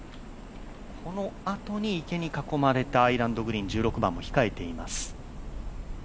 このあと、池に囲まれたアイランドグリーン１６番も控えています。